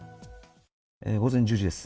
午前１０時です。